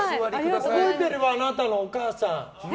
覚えてるわ、あなたのお母さん。